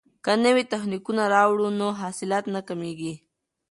که نوي تخنیکونه راوړو نو حاصلات نه کمیږي.